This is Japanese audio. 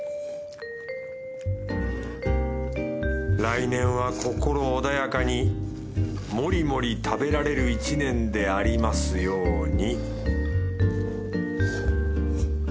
来年は心穏やかにモリモリ食べられる１年でありますように